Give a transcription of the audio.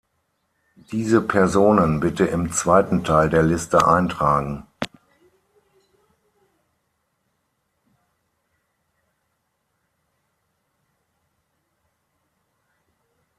Diese Personen bitte im zweiten Teil der Liste eintragen.